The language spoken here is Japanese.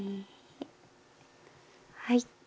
はい。